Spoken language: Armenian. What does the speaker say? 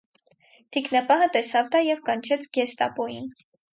Թիկնապահը տեսավ դա և կանչեց գեստապոյին։